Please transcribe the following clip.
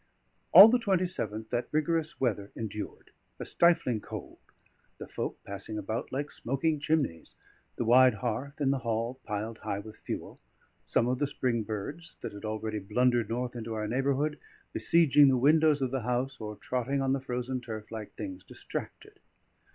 All the 27th that rigorous weather endured: a stifling cold; the folk passing about like smoking chimneys; the wide hearth in the hall piled high with fuel; some of the spring birds that had already blundered north into our neighbourhood besieging the windows of the house or trotting on the frozen turf like things distracted.